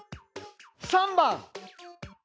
３番！